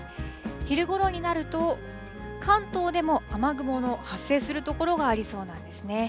昼ごろになると、関東でも雨雲の発生する所がありそうなんですね。